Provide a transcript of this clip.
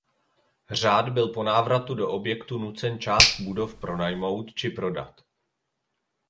Řád byl po návratu do objektu nucen část budov pronajmout či prodat.